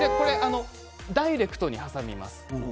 ダイレクトに挟みます。